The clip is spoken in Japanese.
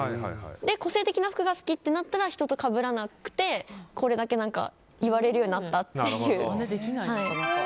個性的な服が好きってなったら人とかぶらなくて、これだけ言われるようになったっていう。